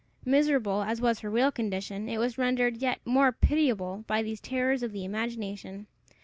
Miserable as was her real condition, it was rendered yet more pitiable by these terrors of the imagination.